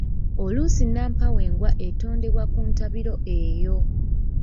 Oluusi nnampawengwa etondebwa ku ntabiro eyo.